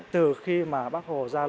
từ khi mà bác hồ ra lời kêu gọi